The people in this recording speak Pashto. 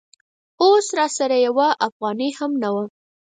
اوس راسره یوه افغانۍ هم نه وه.